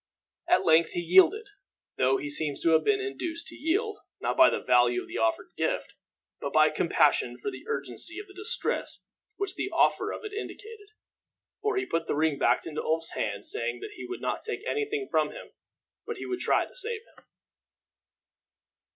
At length he yielded; though he seems to have been induced to yield, not by the value of the offered gift, but by compassion for the urgency of the distress which the offer of it indicated, for he put the ring back into Ulf's hand, saying that he would not take any thing from him, but he would try to save him.